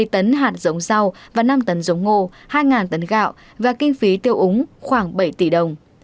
hai mươi tấn hạt giống rau và năm tấn giống ngô hai tấn gạo và kinh phí tiêu úng khoảng bảy tỷ đồng